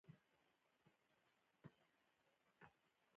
هوښیار څوک دی چې د احساساتو کنټرول ولري.